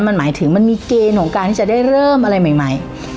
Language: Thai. มันหมายถึงมันมีเกณฑ์ของการที่จะได้เริ่มอะไรใหม่